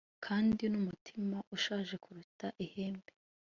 kandi n'umutima ushaje kuruta ihembe